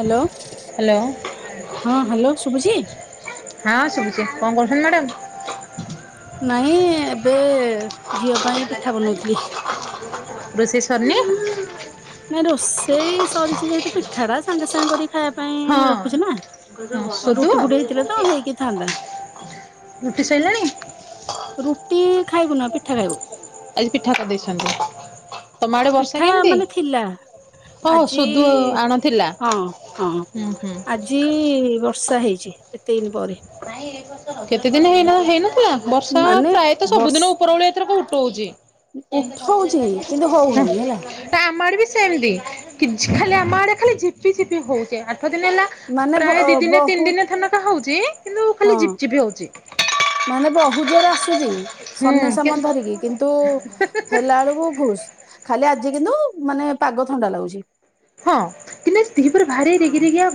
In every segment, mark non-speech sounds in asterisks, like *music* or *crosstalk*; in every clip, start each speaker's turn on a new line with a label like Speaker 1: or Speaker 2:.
Speaker 1: Hello
Speaker 2: hello
Speaker 1: ହଁ hello ଶୁଭୁଛି?
Speaker 2: ହଁ ଶୁଭୁଛି କଣ କରୁଛନ୍ତି ମ୍ୟାଡ଼ାମ?
Speaker 1: ନାଇଁ ଏବେ ଝିଅ ପାଇଁ ପିଠା ବନଉଥିଲି।
Speaker 2: ରୋଷେଇ ସରିନି
Speaker 1: ନାଇଁ ରୋଷେଇ ସରିଛି ଯେହେତୁ ପିଠା ଟା ସାଙ୍ଗେ ସାଙ୍ଗେ କରିକି ଖା
Speaker 2: ହଁ ସୋଦୁଅ
Speaker 1: ରୁଟି ଫୁଟି ହେଇଥିଲେ ତ ହେଇକି ଥାନ୍ତା
Speaker 2: ରୁଟି ଶଇଲାଣି?
Speaker 1: ରୁଟି ଖାଇବୁ ନା ପିଠା ଖାଇବୁ।
Speaker 2: ଆଜି ପିଠା କରିଦେଇଛନ୍ତି ତମ ଆଡ଼େ ବର୍ଷା
Speaker 1: ପିଠା
Speaker 2: କେମିତି?
Speaker 1: ମାନେ ଥିଲା
Speaker 2: ହଁ
Speaker 1: ଆଜି
Speaker 2: ସୋଦୁଅ ଆଣଥିଲା ହୁଁ ହୁଁ।
Speaker 1: ଜି ବର୍ଷା ହେଇଛି ଏତେ ଦିନ ପରେ।
Speaker 2: କେତେ ଦିନ ହେଇନା ହେଇନା ଥିଲା ବର୍ଷା
Speaker 1: ମାନେ
Speaker 2: ପ୍ରାୟତଃ
Speaker 1: ବର୍ଷ
Speaker 2: ସବୁଦିନ ଉପରଓଳି ଏଥରକ ଉଠଉଛି। ହେ
Speaker 1: ଉଠଉଛି କିନ୍ତୁ ହଉନି ହେଲା
Speaker 2: ତ ଆମ ଆଡ଼େ ବି ସେମିତି କି ଖାଲି ଆମ ଆଡ଼େ ଖାଲି ଝିପି ଝିପି ହଉଛେ ଆଠ ଦିନ ହେଲା?
Speaker 1: ମାନେ
Speaker 2: ପ୍ରାୟ ଦି ଦିନେ ତିନି
Speaker 1: ବହୁତ
Speaker 2: ଦିନେ ଧଥନକା ହଉଛି କିନ୍ତୁ ଖାଲି
Speaker 1: ହଁ
Speaker 2: ଜିପ ଚିପି ହଉଛି।
Speaker 1: ମାନେ ବହୁ ଜୋର ଆସୁଛି
Speaker 2: ହୁଁ
Speaker 1: ସନ୍ୟସାମନ
Speaker 2: କିନ୍ତୁ
Speaker 1: ଧରିକି କିନ୍ତୁ? ହେଲା ବେଳକୁ ଭୁସ୍ ଖାଲି ଆଜି କିନ୍ତୁ ମାନେ ପାଗ ଥଣ୍ଡା ଲାଗୁଛି।
Speaker 2: ହଁ କିନ୍ତ ସ୍ତ୍ରୀ ପୁର ଭାରି ଡିଗୀ ଦିଗିଆ।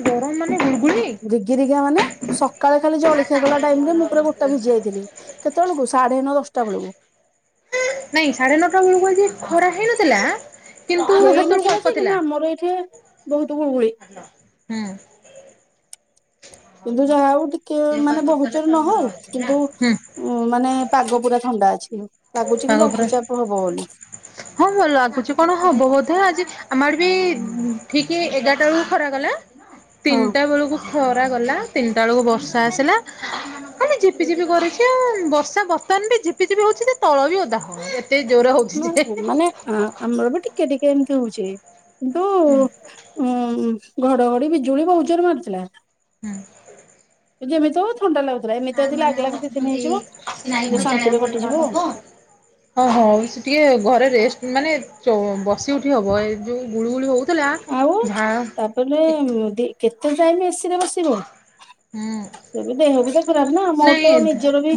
Speaker 1: ରିଗି ରିଗା ମାନେ ସକାଳେ ଖାଲି ଜଳିଖିଆ କଲା ଟାଇମ ରେ ମୁଁ ପୁରା ଗୋଟା ଭିଜି ଯାଇଥିଲି। କେତେବେେଳକୁ ସାଢେ ନଅ ଦଶଟା ବେଳକୁ।
Speaker 2: ନାଇଁ ସାଢେ ନଅଟା ବେଳକୁ ଯଜି ଖରା ହେଇନଥିଲା। କିନ୍ତୁ ସେତେବେଳକୁ
Speaker 1: ହେଇନଥିଲା
Speaker 2: ଅଳ୍ପ
Speaker 1: ଯେ
Speaker 2: ଥିଲା।
Speaker 1: କିନ୍ତୁ ଆମର ଏଇଠି ବହୁତ ଗୁଳ ଗୁଳି।
Speaker 2: ହୁଁ।
Speaker 1: କିନ୍ତୁ ଯାହା ହଉ ଟିକେ ମାନେ ବହୁଜରେ ନହଉ କିନ୍ତୁ?
Speaker 2: ହୁଁ
Speaker 1: ଉଁ ମାନେ ପାଗ ପୁରା ଥଣ୍ଡା ଅଛି ଲାଗୁଛି
Speaker 2: ପାଗ
Speaker 1: କି
Speaker 2: ପୁରା
Speaker 1: ଲଘୁଚାପ ହବ ବୋଲି।
Speaker 2: ହଁ ଭଲ ଆସୁଛି କଣ ହବ ବୋଧେ ଆଜି? ଆମର ବି ଠିକ ଏଗାରଟା ବେଳକୁ ଖରା ଗଲା
Speaker 1: ହଁ।
Speaker 2: ତିନିଟା ବେଳକୁ? ଖରା ଗଲା ତିନିଟା ବେଳକୁ ବର୍ଷା ଆସିଲା। ଆ ଝିପିଝିପି କରିଛି ଆଉ ବର୍ଷା ବର୍ତ୍ତମାନ ବିଝିପି ଜିପି ହଉଛି ସେ ତଳ ବି ଅଦା। ସେ ଜୋର ହ *inaudible*
Speaker 1: ହ ମାନେ ଆମର ବି ଟିକେ ଟିକେ ଏମିତି ହଉଛି କିନ୍ତୁ?
Speaker 2: ହୁଁ
Speaker 1: ଉୁଁ ଘଡଘଡି ବିଜୁଳି ବହୁତ ଜୋର ମାରିଥିଲା।
Speaker 2: ହୁଁ।
Speaker 1: ଯେମିତି ହଉ ଥଣ୍ଡା ଲାଗୁଥିଲା ଏମିତି ଲାଗଗିଲାଗି ଦି ଦିନ ହେଇଯିବ ଟିକେ ଶାନ୍ତିରେକଟି ଯିବ ଆଉ।
Speaker 2: ହଁ ହଁ ସେ ଟିକେ ଘରେ ରେଷ୍ଟ ମାନେ ବସି ଉଠି ହବ ଏ ଯୋଉ ଗୁଳୁ ଗୁଳି ହଉ?
Speaker 1: ଆଉ ତାପରେ କେତେ ଟାଇମ ଏସିରେ ବସିବ।
Speaker 2: ହୁଁ
Speaker 1: ସେ ବି ଦେହ ବି ତ ଖରାପ ନା ମୋର ତ
Speaker 2: ନାଇଁ
Speaker 1: ନିଜର ବି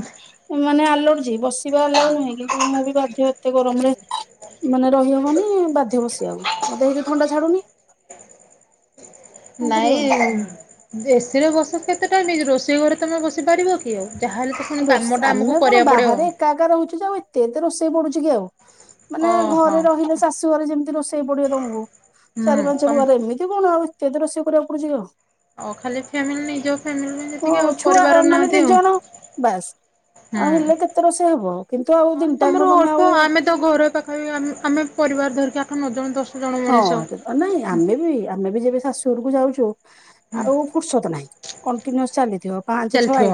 Speaker 1: ମାନେ ଆଲଚି ବସ। ଯିବା ଆଲାଉ ନୁହେଁ କିନ୍ତୁ ମୁଁ ବି ବାଧ୍ୟ ଏତେ ଗରମରେ ମାନେ ରହି ହବନି ବାଧ୍ୟ ବସିବାକୁ। ମତେ ଏ ଥଣ୍ଡା ଛାଡୁନି। କଣ କରିବ
Speaker 2: ନାଇ।
Speaker 1: ଆଉ।
Speaker 2: ଏ ସି ରେ ବସ କେତେ ଟା ରୋଷେଇ ଘରେ ତମେ ବସି ପାରିବ କି ଆଉ ଯାହେଲେ ତ। ତେଣୁ
Speaker 1: ରୋଷେ
Speaker 2: କାମଟା
Speaker 1: ଆମେ
Speaker 2: ଆମକୁ
Speaker 1: କଣ
Speaker 2: କରିଆ ପଡ଼ିଅ।
Speaker 1: ବାହାରେ ଏକା ଏକା ରହୁଛି ତ ଆଉ ଏତେ ଏତେ ରୋଷେଇ ପଡୁଛି କି ଆଉ। ମାନେ
Speaker 2: ଓହୋ
Speaker 1: ଘରେ ରହିଲେ ଶାଶୁ ଘରେ ଯେମିତି ରୋଷେଇ ପଡିବ ତମକୁ
Speaker 2: ହୁଁ
Speaker 1: ଚାରି ପାଞ୍ଚ
Speaker 2: ତମ
Speaker 1: ଘ ଘରେ ଏମିତି। ତେ କଣ ଆଉ ଏତେ ଏତେ ରୋଷେଇ କରିବାକୁ ପଡୁଛି ଆଉ?
Speaker 2: ଆଉ ଖାଲି ଫ୍ୟାମିଲି ଯୋଉ ନିଜ ଫ୍ୟାମିଲି।
Speaker 1: ଓ
Speaker 2: ଯେତିକି ଆଉ
Speaker 1: ଛୁଆ
Speaker 2: ପରିବାର
Speaker 1: ମାନେ
Speaker 2: ନାହାନ୍ତି
Speaker 1: ଦି
Speaker 2: ଆଉ ହୁଁ।
Speaker 1: ଜଣ ବାସ୍। ଆଉ ହେଲେ କେତେ ରୋଷେଇ ହବ କିନ୍ତୁ ଆଉ
Speaker 2: ତମର
Speaker 1: ଦିନିଟାଙ୍କୁ ତମେ
Speaker 2: ଅଳ୍ପ
Speaker 1: ଆଉ
Speaker 2: ଆମେ ତ ଘର ପାଖ ଆମ ଆମେ ପରିବାର ଧରିକି ଆଠ ନ ଜଣ ଦଶ ଜଣ
Speaker 1: ହଁ
Speaker 2: ମଣିଷ
Speaker 1: ଏଇଟା ତ ନାଇଁ ଆମେ ବି ଆମେ ବି ଯେବେ ଶାଶୁର କୁ ଯାଉଛୁ
Speaker 2: ହୁଁ
Speaker 1: ଆଉ ଫୁର୍ସତ ନାହିଁ କଣ୍ଟିନ୍ୟୁସ ଚାଲିଥିବ। ପାଞ୍ଚ ଛଅ
Speaker 2: ଚାଲିଥିବ।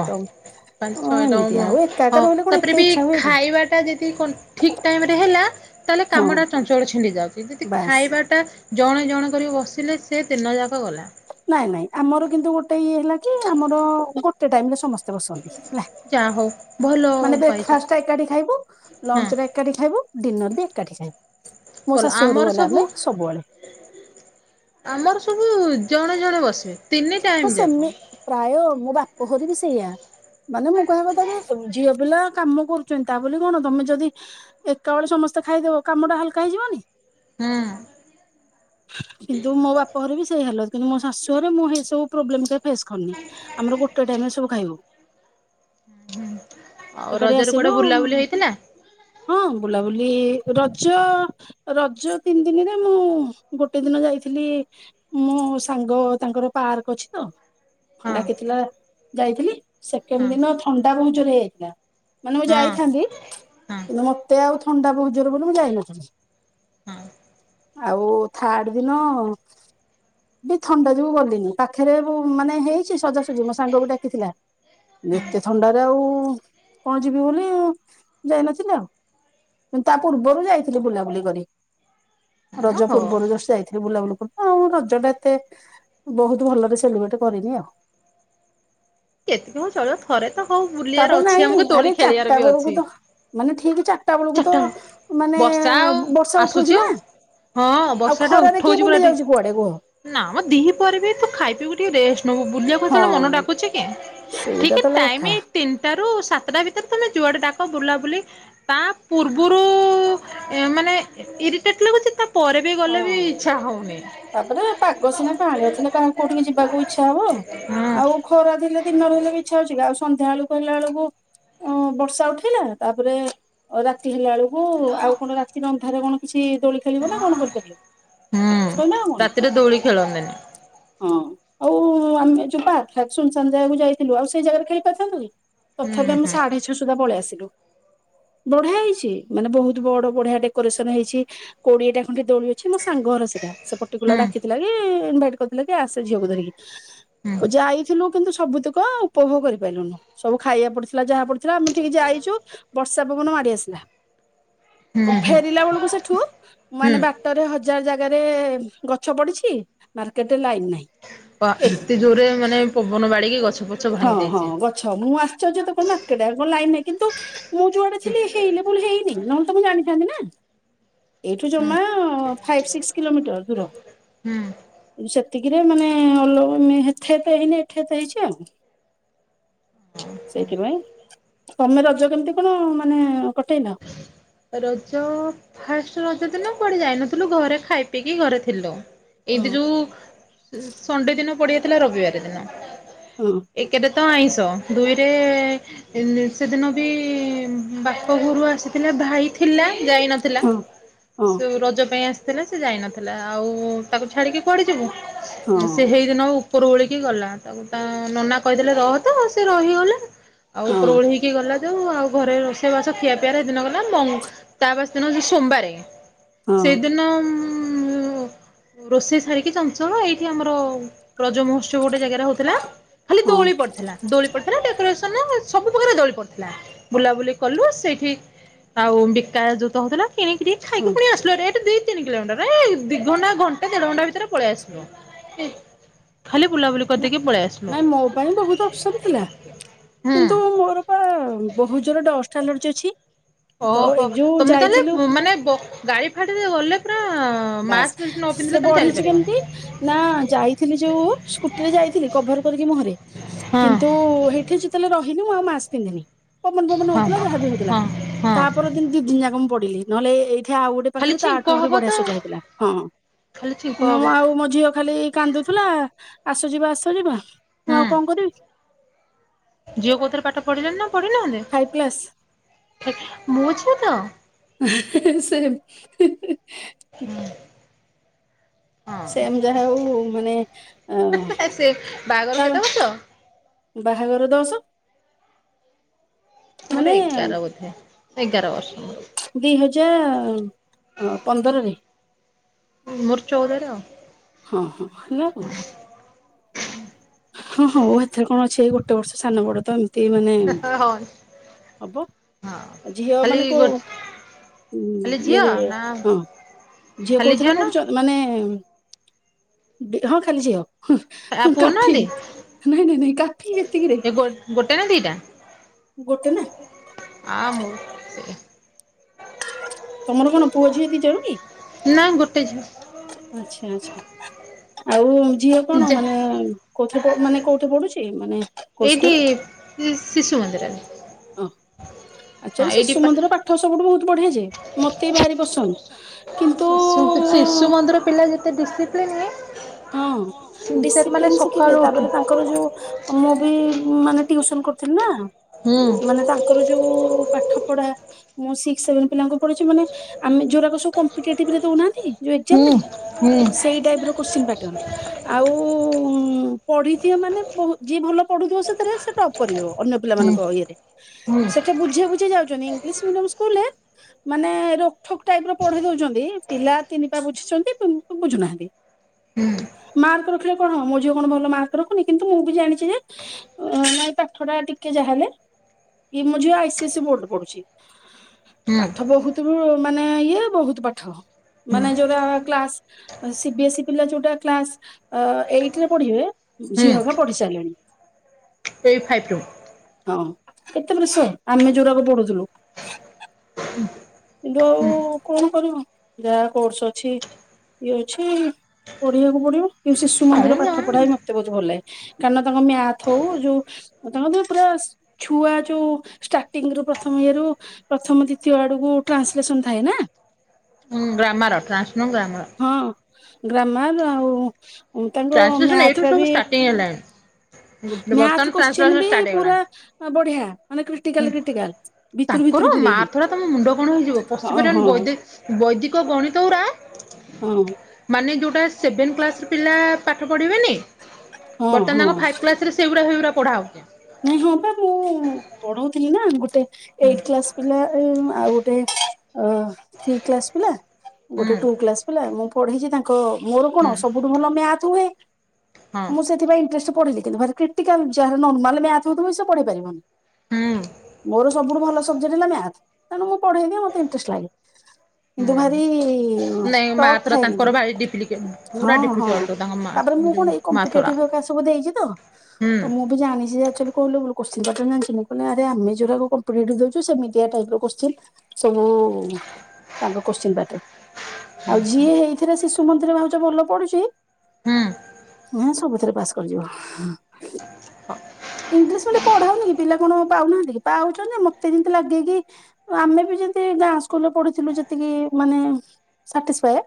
Speaker 2: ପାଞ୍ଚ ଛଅଟା
Speaker 1: ଏମିତି ଆଉ ଏକା ଏକା ରହିଲେ କଣ ଏତେ ଇଚ୍ଛା ହୁଏ କି?
Speaker 2: ଏଇ ବାଟା ଯେତ୍ *inaudible* ତେ ଠିକ୍ ଟାଇମରେ ହେଲା ତାହେଲେ
Speaker 1: ହଁ
Speaker 2: କାମଟା ଚଞ୍ଚଳ ଛିଣ୍ଡି ଯାଉଛି ଯଦି
Speaker 1: ବାସ୍
Speaker 2: ଖାଇବାଟା ଜଣେ ଜଣେ କରି ବସିଲେ ସେ ଦିନ ଯାକ ଗଲା।
Speaker 1: ନାଇଁ ନାଇଁ ଆମର କିନ୍ତୁ ଗୋଟେ ଇଏ ହେଲା କି ଆମର ଗୋ ଟେ ଟାଇମରେ ସମସ୍ତେ ବସନ୍ତି ହେଲା
Speaker 2: ଯାହା ହଉ ଭଲ
Speaker 1: ମାନେ
Speaker 2: ପାଇଛ
Speaker 1: ବ୍ରେକଫାଷ୍ଟ ଏକାଠି ଖାଇବ।
Speaker 2: ହଁ
Speaker 1: ଲଞ୍ଚଟା ଏକାଠି ଖାଇବ ଡିନର ବି ଏକାଠି ଖାଇବ ମୋ
Speaker 2: ଭଲ
Speaker 1: ଶାଶୁ ଘରୁ
Speaker 2: ଆମର
Speaker 1: ଗଲେ
Speaker 2: ସବୁ
Speaker 1: ଆମେ ସବୁବେଳେ।
Speaker 2: ଆମର ସବୁ ଜଣେ ଜଣେ ବସିବେ। ତିନି
Speaker 1: ହଁ
Speaker 2: ଟାଇମ ଯାକ
Speaker 1: ସେମି
Speaker 2: ହୁଁ
Speaker 1: ପ୍ରାୟ ମୋ ବାପଘରୀ ବି ସେଇଆ। ମାନେ ମୁଁ କହିବା କଥା ଯେ ଝିଅ ପିଲା କାମ କରୁଚନ୍ତି ତା ବୋଲି କଣ ତମେ ଯଦି ଏକା ବେଳେ ସମସ୍ତେ ଖାଇଦବ କାମଟା ହାଲକା ହେଇଯିବନି।
Speaker 2: ହୁଁ।
Speaker 1: କିନ୍ତୁ ମୋ ବାପା ଘରେ ବି ସେଇ ହାଲତ କିନ୍ତୁ ମୋ ଶାଶୁଘରେ ମୁଁ ହେଇ ସବୁ ପ୍ରୋବ୍ଲମଟା ଫେସ କରିନି ଆମର ଗୋଟେ ଟାଇମିରେ ସବୁ ଖାଇବ।
Speaker 2: ଆଉ
Speaker 1: ଏକାଠି
Speaker 2: ରଜରେ କୁଆଡେ
Speaker 1: ଆସିଲୁ
Speaker 2: ବୁଲାବୁଲି ହେଇଥିଲା
Speaker 1: ହଁ ବୁଲାବୁଲି ରଜ ରଜ ତିନି ଦିନିରେ ମୁଁ ଗୋଟେ ଦିନ ଯାଇଥିଲି ମୋ ସାଙ୍ଗ ତାଙ୍କର ପାର୍କ ଅଛି ତ
Speaker 2: ହଁ
Speaker 1: ଡାକିଥିଲା ଯାଇଥିଲି ସେକେଣ୍ଡ
Speaker 2: ହଁ
Speaker 1: ଦିନ ଥଣ୍ଡା ବହୁଜୋରେ ହେଇଯାଇଥିଲା ମାନେ ମୁଁ
Speaker 2: ହଁ
Speaker 1: ଯାଇଥାନ୍ତି
Speaker 2: ହଁ
Speaker 1: କିନ୍ତୁ ମତେ ଆଉ ଥଣ୍ଡା ବହୁଜୋରେ ବୋଲି ମୁଁ ଯାଇନଥିଲି।
Speaker 2: ହଁ
Speaker 1: ଆଉ ଥାର୍ଡ ଦିନ ବି ଥଣ୍ଡା ଯୋଗୁ ଗଲିନି ପାଖରେ ମାନେ ହେଇଚି ସଜାସଜି ମୋ ସାଙ୍ଗକୁ ଡାକିଥିଲା।
Speaker 2: ହଁ
Speaker 1: ଏତେ ଥଣ୍ଡାରେ ଆଉ କଣ ଯିବି ବୋଲି ଯାଇନଥିଲି ଆଉ। ମୁ ତା ପୂର୍ବରୁ ଯାଇଥିଲି ବୁଲାବୁଲି କରି।
Speaker 2: ହଁ
Speaker 1: ରଜ
Speaker 2: ହଉ
Speaker 1: ପୂର୍ବରୁ ଜଷ୍ଟ ଯାଇଥିଲି ବୁଲାବୁଲି କରୁ ଆଉ *unintelligible* ଏତେ ବହୁତୁ ଭଲରେ ସେଲିବ୍ରେଟ କରିନି ଆଉ।
Speaker 2: *unintelligible* ମୁଁ ଚଳିବ ଥରେ ତ ହଉ ବୁଲିବାର
Speaker 1: ତାପରେ ନାଇଁ
Speaker 2: ଅଛି ଆମକୁ
Speaker 1: ଆରେ
Speaker 2: ତୋଳି
Speaker 1: ଚାରିଟା
Speaker 2: ଖେଲିବାର ବି
Speaker 1: ବେଳକୁ
Speaker 2: ଅଛି।
Speaker 1: ତ ମାନେ ଠିକି ଚାରିଟା ବେଳକୁ ତ ମାନେ
Speaker 2: ବର୍ଷା ଆଉ
Speaker 1: ବର୍ଷା
Speaker 2: ଆସୁଛି
Speaker 1: ଉଠଉଚି ନା?
Speaker 2: ଆଉ ହଁ
Speaker 1: ଆଉ
Speaker 2: ବର୍ଷା ଟା
Speaker 1: ଖରାରେ କିଏ
Speaker 2: ଉଠଉଛି ପୁରା
Speaker 1: ବୁଲି
Speaker 2: ଟିକେ
Speaker 1: ଯାଉଚି କୁଆଡେ କୁହ?
Speaker 2: ନା ମ ଦି ପହରେ ବି ତୁ ଖାଇ ପିଇ କୁ ଟିକେ ରେଷ୍ଟ ନବୁ ବୁଲିବା କୁ
Speaker 1: ହଁ
Speaker 2: ହେତେବେଳେ ମନ ଡାକୁଚି।
Speaker 1: ସେଇଟା
Speaker 2: ଠିକି
Speaker 1: ତ ହେଲା କଥା
Speaker 2: ଟାଇମି ତିନିଟା ରୁ ସାତଟା ଭିତରେ ତମେ ଯୁଆଡେ ଡାକ ବୁଲାବୁଲି ତା ପୂର୍ବରୁ ମାନେ ଇରିଟେଟ୍ ଲାଗୁଚି ତା ଗଲେ
Speaker 1: ହଁ
Speaker 2: ବି ଇଚ୍ଛା ହଉ
Speaker 1: ତାପରେ ପାଗ ସିନା କାଆଁଳିଆ ଥିଲେ କାହାକୁ କୋଉଠିକି ଯିବାକୁ ଇଚ୍ଛା ହବ
Speaker 2: ହୁଁ।
Speaker 1: ଆଉ ଖରା ଥିଲେ ଦିନରେ ହେଲେ ବି ଇଚ୍ଛା ହଉଚି କି ଆଉ ସନ୍ଧ୍ୟାଳୁ ହେଲା ଆଳକୁ ଅ ବର୍ଷା ଉଠେଇଲା ତାପରେ ରାତି ହେଲାଆଳକୁ ହୁଁ ଆଉ କଣ ରାତିରେ ଅନ୍ଧାରାରେ କଣ କିଛି ଦୋଳି ଖେଳିବ ନା କଣ କରିବ।
Speaker 2: ହୁଁ
Speaker 1: *unintelligible*
Speaker 2: ରାତିରେ ଦୋଳି ଖେଳନ୍ତିନି
Speaker 1: ହଁ ଆଉ କୁ ଆମେ ଜୁବା ସୁନୁସାନ ଜାଗାକୁ ଯାଇଥିଲୁ ଆଉ ସେଇ ଜାଗାରେ ଖେଳି ପରିଥାନ୍ତୁ କି? ତଥାପି
Speaker 2: ହୁଁ
Speaker 1: ଆମେ
Speaker 2: ହୁଁ
Speaker 1: ସାଢେ ଛଅ ସୁଦ୍ଧା ପଳେଇ ଆସିଲୁ। ବଢିଆ ହେଇଚି ମାନେ ବହୁତୁ ବଡ ବଢିଆ ଡେକୋରେସନ ହେଇଚି କୋଡିଏଟା ଖଣ୍ଡେ ଦୋଳିି ଅଛି ମୋ ସାଙ୍ଗ ଘର ସେଇଟା ସେ ପର୍ଟିକୁଲାର
Speaker 2: ହୁଁ।
Speaker 1: ଡାକିଥିଲା କି ଇନଭାଇଟ୍ କରିଥିଲା କି ଆସେ ଝିଅକୁ ଧରିକି।
Speaker 2: ହୁଁ
Speaker 1: ଓ ଯାଇଥିଲୁ କିନ୍ତୁ ସବୁତୁକ ଉପଭୋଗ କରିପାରିଲୁନୁ ସବୁ ଖାଇବାକୁ ପଡିଥିଲା ଯାହା ପଡିଥିଲା ଆମେ ଉଠିକି ଯାଇଚୁ ବର୍ଷା ପବନ ମାଡି ଆସିଲା
Speaker 2: ହୁଁ ହୁଁ
Speaker 1: ଫେରିଲା ବେଳକୁ ସେଠୁ ମାନେ ବା
Speaker 2: ହୁଁ।
Speaker 1: ଟରେ ହଜାର ଜାଗାରେ ଗଛ ପଡିଚି ମାର୍କେଟରେ ଲାଇନି ନାହିଁ।
Speaker 2: ପା ଏତେ ଜୋରରେ ମାନେ ପବନ ବାଡେଇକି ଗଛ ଫଛ
Speaker 1: ହଁ
Speaker 2: ଭାଙ୍ଗି ଦେଇଚି।
Speaker 1: *unintelligible* ମୁଁ ଆସଚର୍ଯ୍ୟ ତ କଣ ମାର୍କେଟ ଆଡେ କଣ ଲାଇନି ନାଇଁ କିନ୍ତୁ ମୁଁ ଯୁଆଡେ ଥିଲି ହେଇ ଲେବୁଲୁ ହେଇନି ନହେଲେ ତ ମୁଁ ଜାଣିଥାନ୍ତି ନା ଏଇଠୁ ଜମା ହଁ ଫାଇଭ୍ ସିକ୍ସ କିଲୋମିଟର ଦୂର।
Speaker 2: ହୁଁ।
Speaker 1: ସେତିକିରେ ମାନେ *unintelligible* ହେଇନି ଏଠେ ଏତେ ହେଇଚି ଆଉ। *unintelligible* ସେଇଥିପାଇଁ ତମେ ରଜ କେମିତି କ'ଣ ମାନେ କଟେଇଲ?
Speaker 2: ରଜ ଫାଷ୍ଟେ ରଜ ଦିନ କୁଆଡେଯାଇନଥିଲୁ ଘରେ ଖାଇ ପିଇକି ଘରେ ଥିଲୁ। ଏମିତି
Speaker 1: ହଁ
Speaker 2: ଯୋଉ ସଣ୍ଡେ ଦିନ ପଡିଯାଇଥିଲା ରବିବାର ଦିନ
Speaker 1: ହଁ
Speaker 2: ଏକଟା। ତ ଆଇଁଷ ଦୁଇରେ। ସେଦିନ ବି ବାପଘରୁ ଆସିଥିଲେ। ଭାଇ ଥିଲା ଯାଇ ନଥିଲା
Speaker 1: ହଁ ହଁ
Speaker 2: ସୁ ରଜ ପାଇଁ ଆସିଥିଲା। ଥିଲା ସେ ଯାଇନଥିଲା ଆଉ ତାକୁ ଛାଡ଼ିକି କୁଆଡେ
Speaker 1: ହଁ
Speaker 2: ଯିବି ସେ ହେଇ ଉପରୋଳିକି ଗଲା ତାକୁ ତା ନନା କହିଦେଲେ ରହ ତ ସେ ରହିଗଲା ଆଉ
Speaker 1: ହଁ
Speaker 2: ଉପରୋଳିକି। ଇଏ ଗଲା ଯୋଉ ଆଉ ଘରେ ରୋଷେଇବାସ ଖିଆ ପିଆରେ ହେ ଦିନଗଲା ତା ବାସି ଦିନ ସୋମବାରେ।
Speaker 1: ହଁ
Speaker 2: ସେଦିନ ରୋଷେଇ ମୁଁ ରୋଷେଇ ସାରିକି ଚଞ୍ଚଳ ଏଇଠି ଆମର। ରଜ ମହୋତ୍ସବ ଗୋଟେ ଜାଗାରେ ହଉଥିଲା ଖାଲି
Speaker 1: ହଁ
Speaker 2: ଦୋଳି ପଡିଥିଲା। ଦୋଳି ପଡ଼ିଥିଲା ଡେକୋରେସନ ସବୁ ପ୍ରକାର ଦୋଳି ପଡ଼ିଥିଲା ବୁଲାବୁଲି କଲୁ ସେଇଠି। ଆଉ ବିକା ଜୋଉତ ହଉଥିଲା କିଣିକି ଖାଇକି
Speaker 1: ହଁ।
Speaker 2: ପୁଣି ଆସୁ। ଏଇଠେ ଦି, ତିନି କିଲୋମିଟର ଏ ଦିଘଣ୍ଟା, ଘଣ୍ଟେ, ଦେଢଘଣ୍ଟା ଭିତରେ ପଳେଇ ଆସିବ। ଖାଲି ବୁଲାବୁଲି।
Speaker 1: ନାଇଁ ମୋ ପାଇଁ ବହୁତ ଅପସନ୍ ଥିଲା
Speaker 2: ହୁଁ
Speaker 1: କିନ୍ତୁ ମୋର। ଆ ବହୁତୁ ଜୋରେ ଡଷ୍ଟ ଆଲର୍ଜି ଅଛି। ତ ଏଇ
Speaker 2: ଓହୋ
Speaker 1: ଯୋଉ
Speaker 2: ତମେ
Speaker 1: ଯାଇଥିଲୁ
Speaker 2: ତାହେଲେ ମାନେ ଗାଡି, ଫାଡିରେ ଗଲେ ପୁରା।
Speaker 1: ବାସ୍
Speaker 2: ମାସ୍କ ଫାସ୍କ ନ ପିନ୍ଧିଲେ
Speaker 1: ସେ
Speaker 2: ତମେ
Speaker 1: ବଢିଛି
Speaker 2: ଚାଲିପାରିବନି।
Speaker 1: କେମିତି। ନା ଯାଇଥିଲି ଯୋଉ ସ୍କୁଟିରେ ଯାଇଥିଲି କଭର କରିକି ମୁଁହରେ।
Speaker 2: ହଁ
Speaker 1: କିନ୍ତୁ ହେଇଠି ଯୁ। ଆଚୁଅଲି ରହିନି ଆଉ ମାସ୍କ ପିନ୍ଧିନି ପବନ, ପବନ
Speaker 2: ହଁ
Speaker 1: ହଉଥିଲା ଯାହା ବି ହଉଥିଲା
Speaker 2: ହଁ ହଁ।
Speaker 1: ତା। ପର ଦି ଦିନ ଯା ମୁ ପଡିଲି ନହଲେ ଏଇଠି ଆଉ ଗୋଟ
Speaker 2: ଖାଲି
Speaker 1: ପାଖରେ
Speaker 2: ଛିଙ୍କ
Speaker 1: ତାଠୁ ଆହୁରି
Speaker 2: ହବ
Speaker 1: ବଢିଆ
Speaker 2: ତ
Speaker 1: ସଜା ହେଇଥିଲା। ଥିଲା ହଁ
Speaker 2: ଖାଲି ଛିଙ୍କ
Speaker 1: ମୁଁ
Speaker 2: ହବ
Speaker 1: ଆଉ ମୋ ଝିଅ ଖାଲି। କାନ୍ଦୁଥିଲା ଆସ ଯିବା, ଆସ ଯିବା ମୁଁ ଆଉ
Speaker 2: ହୁଁ
Speaker 1: କ'ଣ କରିବି।
Speaker 2: ଝିଅ କୋଉଥିରେ ପାଠ ପଢ଼ିଲେ ନା ପଢିନାହାନ୍ତି।
Speaker 1: Five class.
Speaker 2: ଦେଖି ମୋ ଝିଅ ତ।
Speaker 1: *unintelligible*
Speaker 2: ହୁଁ।
Speaker 1: *unintelligible* ସେମ ଯାହା ହଉ ମାନେ ଅ
Speaker 2: ସେ ବାହାଘର
Speaker 1: ତା।
Speaker 2: କେତେ ବର୍ଷ?
Speaker 1: ବାହାଘର ଦଶ।
Speaker 2: ମୋର
Speaker 1: ମାନେ
Speaker 2: ଏଗାର ବୋଧେ ଏଗାର ବର୍ଷର।
Speaker 1: ଦି ହଜାର ପନ୍ଦରରେ।
Speaker 2: ମୋର ଚଉଦରେ ଆଉ
Speaker 1: ହଁ, ହଁ ସେଇଆ କି। ହଁ, ହଁ, ହଉ ଏଥରେ କ'ଣ ଅଛି ଏଇ ଗୋଟେ ବର୍ଷ ସାନ ବଡ ତ ଏମିତି। ଏ ମାନେ
Speaker 2: ହଁ।
Speaker 1: ହବ
Speaker 2: ହଁ
Speaker 1: ଝିଅ
Speaker 2: ଖାଲି
Speaker 1: ମାନେ
Speaker 2: ଗୋ
Speaker 1: କୋଉ। ହୁଁ
Speaker 2: ଖାଲି ଝିଅ
Speaker 1: ଇଏରେ
Speaker 2: ନା
Speaker 1: ହଁ ଝିଅ
Speaker 2: ଖାଲି
Speaker 1: କୋଉଥିରେ
Speaker 2: ନା
Speaker 1: ପଡୁଛ। ମାନେ ହଁ ଖାଲି ଝିଅ
Speaker 2: ଆଉ
Speaker 1: କା।
Speaker 2: ପୁଅ
Speaker 1: କାଫି
Speaker 2: ନାହାନ୍ତି
Speaker 1: ନାଇଁ, ନାଇଁ, ନାଇଁ କାଫି ଏତିକିରେ।
Speaker 2: ଏ ଗୋ ଗୋଟେ ନା ଦିଟା।
Speaker 1: ଗୋଟେ ନା।
Speaker 2: ଆ ମୁଁ।
Speaker 1: ତମର କଣ ପୁଅ ଝିଅଦି ଜଣ କି
Speaker 2: ନା ଗୋଟେ ଝିଅ
Speaker 1: ଆଚ୍ଛା ଆଛା। ଆଉ ଝିଅ କଣ
Speaker 2: ଯା
Speaker 1: ମାନେ କୋଥିରେ ପ ମାନେ କୋଉଠି ପଢୁଛି ମାନେ କୋଉ ସ୍କୁଲ?
Speaker 2: ସେ ଶିଶୁ ମନ୍ଦିରରେ।
Speaker 1: ଓହ
Speaker 2: ହଁ
Speaker 1: ଆଚଆଲି
Speaker 2: ଏଇଠି
Speaker 1: ଶିଶୁ ମନ୍ଦିର ପା ଠ ସବୁଠୁ ବହୁତ ବଢିଆ ଯାଏ ମତେ ବି ଭାରି ପସନ୍ଦ।
Speaker 2: ଶିଶୁ କିଛିିଶୁ
Speaker 1: କିନ୍ତୁ
Speaker 2: ମନ୍ଦିର ପିଲା ଯେତେ ଡିସିପ୍ଲିନ।
Speaker 1: ହଁ
Speaker 2: ସିନସିୟର ମାନେ
Speaker 1: ଡିସିପ୍ଲିନ ଶିଖିବେ
Speaker 2: ସକାଳୁ ଉଠୁ
Speaker 1: ତାପରେ ତାଙ୍କର ଯୋଉ। ମୁଁ ବି ମାନେ ଟିଉସନ କରିଥିଲି ନା।
Speaker 2: ହଁ।
Speaker 1: ମାନେ ତାଙ୍କର ଯୋଉ ପାଠ ପଢା। ମୁଁ ସିକ୍ସ ସେଭେନ ପିଲାଙ୍କୁପଢୁଛି ମାନେ ଆମେ ଯୋଉରାକ ସବୁ କମ୍ପିଟିଏଟିଭି ଦଉନାହାନ୍ତି। ଯୋଉ
Speaker 2: ହୁଁ
Speaker 1: ଏକଜାମରେ
Speaker 2: ହୁଁ
Speaker 1: ସେଇ ଟାଇପ ର କ୍ୱାସିନି ପାଟନ। ଆଉ ପଢିଥିବ ମାନେ ବହୁ ଯିଏ ଭଲ ପଢୁଥିବ ସେଥିରେ ସେ ଟପ୍ କରିଯିବ। ଅନ୍ୟ
Speaker 2: ହୁଁ ହୁଁ
Speaker 1: ପିଲାମାନଙ୍କ ଇଏରେ
Speaker 2: ହୁଁ
Speaker 1: ସେଠା ବୁଝେଇ ବୁଝେଇ ଯାଉଛନ୍ତି ଇଂଲିସି ମିଡିୟମ୍ ସ୍କୁଲ ରେ। ମାନେ ରୋକଠକ୍ ଟାଇପ ର ପଢେଇ ଦଉଛନ୍ତି ପିଲା ତିନି ପା ବୁଝିଛନ୍ତି ପୁ ବୁଝୁନାହାନ୍ତି। ମାର୍କ ରଖିଲେ କଣ ହବ ମୋ ଝିଅ କଣ ଭଲ ମାର୍କ ରଖୁନି କିନ୍ତୁ ମୁଁ ବି ଜାଣିଛି ଯେ। ଅ ନାଇଁ ପାଠ ଟା ଟିକେ ଯାହା ହେଲେ ଇଏ ମୁଁ ଝିଅ ଆଇ ସି ଏ ସ ବୋର୍ଡରେ ପଢୁଛି।
Speaker 2: ହୁଁ
Speaker 1: ପାଠ ବହୁତ ମାନେ ଇଏ ବହୁତ ପାଠ।
Speaker 2: ହୁଁ
Speaker 1: ମାନେ ଯୋଉରା କ୍ଲାସ ସିିବି ଏସ୍ଇ। ପିଲା ଯୋଉଟା କ୍ଲାସ ଆ ଏଇଟି ରେ ପଢିବେ
Speaker 2: ହୁଁ
Speaker 1: ଝିଅକା ପଢି ସାରିଲେଣି।
Speaker 2: ଏଇ ଫାଇଭ୍ ଟୁ।
Speaker 1: ହଁ କେତେ ବଷ ଆମେ ଯୋଉରାକୁ ପଢୁଥିଲୁ। କିନ୍ତୁ ଆଉ କଣ କରିବୁ ଯାହା କୋର୍ସ ଅଛି ଇଏ ଅଛି। ପଢିବାକୁ ପଡିବ କିନ୍ତୁିସିଶୁ ମନ୍ଦିର ପାଠ ପଢା ବି ମତେ ବହୁତ ଭଲ ଲାଗେ। କାରଣ ତାଙ୍କ ମ୍ୟାଥହୋଉ ଯୋଉ। ତମ ତ ପୁରା ଛୁଆ ଯୋଉ ଷ୍ଟାର୍ଟିଙ୍ଗ ରୁ ପ୍ରଥମ ଇଏ ରୁ। ପ୍ରଥମ ଦ୍ୱତୀୟ ଆଡକୁ ଟ୍ରାନ୍ସଲେସନ ଥାଏ ନା।
Speaker 2: ହଁ ଗ୍ରାମର ଟ୍ରାନ୍ସନୁ ଗ୍ରାମର।
Speaker 1: ହଁ ଗ୍ରାମର ଆଉ ତାଙ୍କ ମ୍ୟାଥର ବି।
Speaker 2: ଟିଏ ହେଲା।
Speaker 1: ମ୍ୟାଥ କୋଶ୍ଚିନ ବି
Speaker 2: ଷ୍ଟାର୍ଟ
Speaker 1: ପୁରା
Speaker 2: ହେଇଗଲାଣି
Speaker 1: ଆ ବଢିଆ। ମାନେ କ୍ରିଟିକାଲ
Speaker 2: ହୁଁ
Speaker 1: କ୍ରିଟିକାଲ ଭିତରୁ ଭିତରୁ
Speaker 2: ତାଙ୍କର ମା
Speaker 1: ପୁରେଇକି
Speaker 2: ଥର ତମ ମୁଣ୍ଡ କଣ ହେଇଯିବ
Speaker 1: ହଁ ହଁ
Speaker 2: ପଶିପାରିବନ ବୈଦ। ବୈଦିକ ଗଣିତଉରା।
Speaker 1: ହଁ।
Speaker 2: ମାନେ ଯେଉଁଟା ସେଭେନ୍ କ୍ଲାସ୍ର ପିଲା ପାଠ ପଢ଼ିବେନି।
Speaker 1: ହଁ
Speaker 2: ବର୍ତମାନ
Speaker 1: ହଁ
Speaker 2: ତାଙ୍କ ଫାଇଭ କ୍ଲାସ ରେ ସେଇଗୁଡା ସେଇଗୁଢା ପଢା ହଉଛି।
Speaker 1: ନାଇଁ ହଁ ବା ମୁଁ ପଢଉଥିଲି ନା ଗୋଟେ ଏଇଟି କ୍ଲାସ। ପିଲା ଆଉ ଗୋଟେ ଅ ଥ୍ରୀ କ୍ଲାସ ପିଲା
Speaker 2: ହୁଁ
Speaker 1: ଗୋଟେ ଟୁ କ୍ଲାସ ପିଲା ମୁ। ପଢେଇଛି ତାଙ୍କ ମୋର କଣ
Speaker 2: ହୁଁ
Speaker 1: ସବୁଠୁ ଭଲ ମ୍ୟାଥ ହୁଏ।
Speaker 2: ହଁ
Speaker 1: ମୁଁ ସେଥିପାଇଁ ଇଣ୍ଟ୍ରେଷ୍ଟରେ ପଢିଲି କିନ୍ତୁ୍ ଭାରି କ୍ରିଟିକାଲ ଯାହାର ନର୍ମାଲ ମ୍ୟାଥ ହଉଥିବ ସେ ପଢେଇ ପାରିବନି।
Speaker 2: ହୁଁ
Speaker 1: ମୋର ସବୁଠୁ ଭଲ ସବଜେକ୍ଟ ହେଲା ମ୍ୟାଥ। ତେଣୁ ମୁଁ ପଢେଇଦିଏ ମତେ ଇଣ୍ଟରେଷ୍ଟ ଲାଗେ। କିନ୍ତୁ ଭାରି
Speaker 2: ହୁଁ
Speaker 1: ହ
Speaker 2: ନାଇଁ
Speaker 1: ଟପ
Speaker 2: ମାଥୁରା
Speaker 1: ଥାଏ
Speaker 2: ତାଙ୍କର
Speaker 1: କିନ୍ତୁ।
Speaker 2: ଭାରି ଡିପ୍ଲିକେ
Speaker 1: ହଁ
Speaker 2: ପୁରା
Speaker 1: ହଁ
Speaker 2: ଡିଫିକଲ୍ଟ ତାଙ୍କ ମା
Speaker 1: ତାପରେ ମୁଁ
Speaker 2: ଯୋଉ
Speaker 1: କଣ ଏ
Speaker 2: ମାଥୁରା।
Speaker 1: କମ୍ପିଟେଟିଭ ହେରିକା ସବୁ ଦେଇଛି ତ,
Speaker 2: ହୁଁ
Speaker 1: ତ ମୁଁ ବି ଜାଣିଛି ଯେ ଆକଚୁଆଲି କୋଉ ଲେବୁଲ୍ କୋଶ୍ଚିନ୍ ପାର୍ଟନ ଜାଣିଛନ୍ତି? ମୁଁ କହିଲି ଆରେ ଆମେ ଯୋଉରାକ କମ୍ପିଟେଟିଭ ଦଉଚୁ, ସେମିତିଆ ଟାଇପର କୋଶ୍ଚିନ। ସବୁ ତାଙ୍କ କୋଶ୍ଚିନ୍ ପାର୍ଟର। ଆଉ ଯିଏ ହେଇଥିରେ ଶିଶୁ ମନ୍ଦିରରେ ଭାବୁଛ ଭଲ ପଢ଼ୁଛି
Speaker 2: ହୁଁ
Speaker 1: ହଁ ସବୁଥିରେ ପାସ୍ କରିଯିବ।
Speaker 2: ହୁଁ
Speaker 1: ଇଂଲିଶ ମିଡିଅମରେ ପଢା ହୋଉନି କି, ପିଲା କଣ ପାଉନାହାଁନ୍ତି କି ପାଉଛନ୍ତି, ମତେ କିନ୍ତୁ ଲାଗେ କି ଆମେ ବି ଯେମିତି ଗାଁ ସ୍କୁଲରେ ପଢ଼ିଥିଲୁ ଯେତିକି ମାନେ ସାଟିସଫାଏ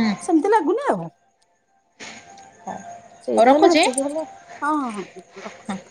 Speaker 2: ହୁଁ
Speaker 1: ସେମତି ଲାଗୁନି ଆଉ।
Speaker 2: *inaudible*
Speaker 1: ସେଇଟା ହେଲେ,
Speaker 2: ରଖୁଛି
Speaker 1: ଏତିକି ହେଲେ, ହଁ ହଁଁ ହଁ ମୁଁ
Speaker 2: ହଁ।
Speaker 1: ରଖୁଚି।